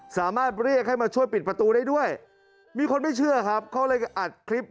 สามารถเรียกให้มาช่วยปิดประตูได้ด้วยมีคนไม่เชื่อครับเขาเลยอัดคลิป